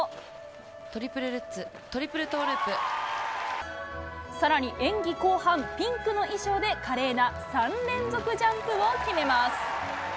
トリプルルッツ、トリプルトさらに演技後半、ピンクの衣装で華麗な３連続ジャンプを決めます。